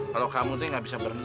kalau kamu teh gak bisa berenang